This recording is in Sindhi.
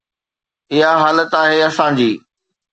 اها حالت آهي اسان جي.